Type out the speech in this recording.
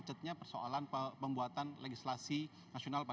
jadi ini adalah persoalan yang terkait dengan pengadilan sistem pengadilan sistem pengadilan